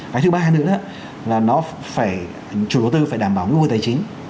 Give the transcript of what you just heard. cái thứ ba nữa là chủ đầu tư phải đảm bảo nghĩa vui tài chính